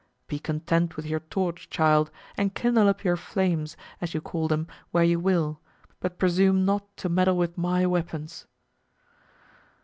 Be content with your torch, child, and kindle up your flames, as you call them, where you will, but presume not to meddle with my weapons."